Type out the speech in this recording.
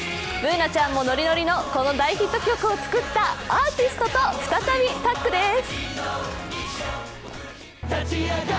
Ｂｏｏｎａちゃんもノリノリのこの大ヒット曲を作ったアーティストと再びタッグです。